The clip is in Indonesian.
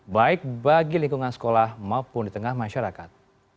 baik bagi lingkungan sekolah maupun di tengah masyarakat